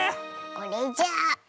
これじゃ。